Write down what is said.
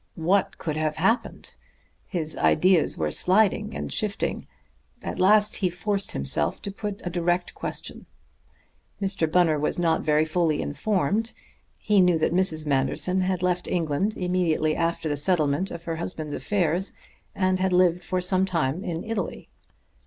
What could have happened? His ideas were sliding and shifting. At last he forced himself to put a direct question. Mr. Bunner was not very fully informed. He knew that Mrs. Manderson had left England immediately after the settlement of her husband's affairs, and had lived for some time in Italy.